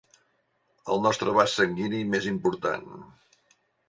El nostre vas sanguini més important.